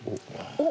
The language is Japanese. おっ！